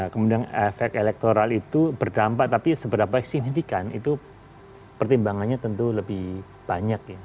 kemudian efek elektoral itu berdampak tapi seberapa signifikan itu pertimbangannya tentu lebih banyak ya